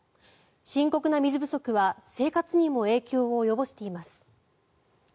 深刻な水不足は生活にも影響を及ぼしています。